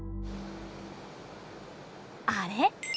あれ？